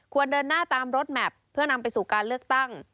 เดินหน้าตามรถแมพเพื่อนำไปสู่การเลือกตั้ง